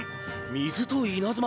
水と稲妻？